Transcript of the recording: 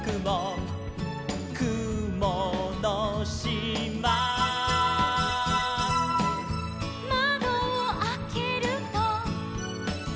「くものしま」「まどをあけると」